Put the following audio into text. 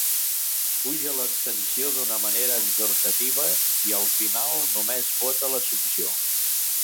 Puja l'abstenció d'una manera exhortativa i al final només vota l'Assumpció.